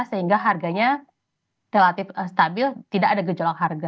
sehingga harganya relatif stabil tidak ada gejolak harga